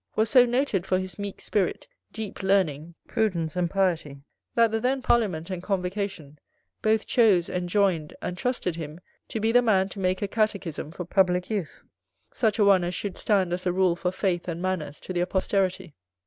was so noted for his meek spirit, deep learning, prudence, and piety, that the then Parliament and Convocation, both, chose, enjoined, and trusted him to be the man to make a Catechism for public use, such a one as should stand as a rule for faith and manners to their posterity.